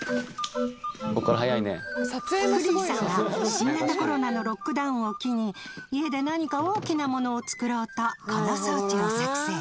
クリーさんは新型コロナのロックダウンを機に家で何か大きな物を作ろうとこの装置を作製。